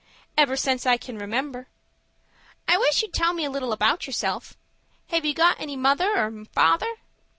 "Ever since I can remember." "I wish you'd tell me a little about yourself. Have you got any father or mother?"